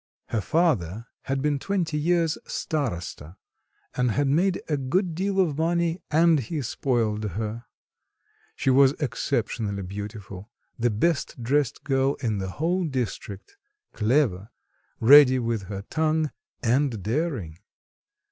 Her father had been twenty years starosta, and had made a good deal of money, and he spoiled her. She was exceptionally beautiful, the best dressed girl in the whole district, clever, ready with her tongue, and daring.